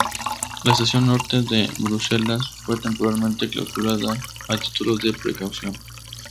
La Estación Norte de Bruselas fue temporalmente clausurada a título de precaución.